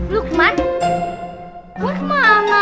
yaudah sekarang kita balik ke pesantren